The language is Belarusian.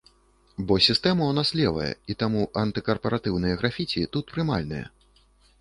Бо сістэма ў нас левая, і таму антыкарпаратыўныя графіці тут прымальныя.